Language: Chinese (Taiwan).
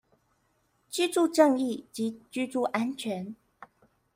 居住正義及居住安全